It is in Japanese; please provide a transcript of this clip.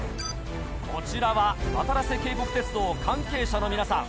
こちらはわたらせ渓谷鐵道関係者の皆さん。